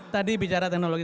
tadi bicara teknologi